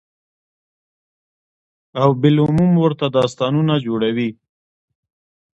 او بالعموم ورته داستانونه جوړوي،